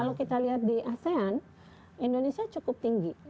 kalau kita lihat di asean indonesia cukup tinggi